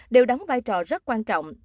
đều đóng vai trò rất quan trọng